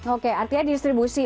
oke artinya distribusi